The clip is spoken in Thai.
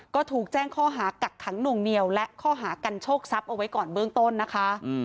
ก็ถูกแจ้งข้อหากักขังหน่วงเหนียวและข้อหากันโชคทรัพย์เอาไว้ก่อนเบื้องต้นนะคะ